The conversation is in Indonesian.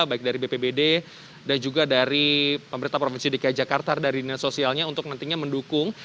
baik dari bpbd dan juga dari pemerintah provinsi dki jakarta dari dinas sosialnya untuk nantinya mendukung